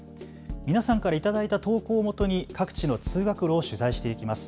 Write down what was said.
皆さんから頂いた投稿をもとに各地の通学路を取材していきます。